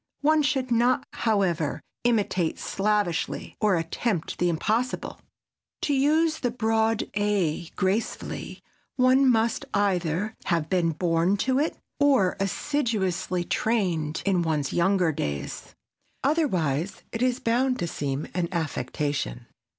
One should not, however, imitate slavishly or attempt the impossible. To use the "broad a" gracefully one must either have been born to it or assiduously trained in one's younger days. Otherwise it is bound to seem an affectation.